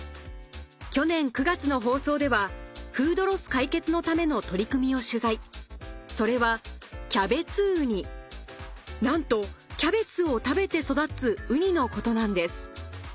去年９月の放送ではフードロス解決のための取り組みを取材それはキャベツウニなんとキャベツを食べて育つウニのことなんです